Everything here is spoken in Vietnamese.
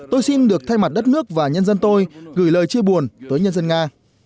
tôi xin được thay mặt đất nước và nhân dân tôi gửi lời chia buồn tới nhân dân nga